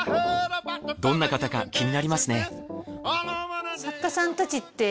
どんな方か気になりますね。